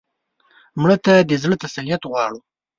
مړه ته د زړه تسلیت غواړو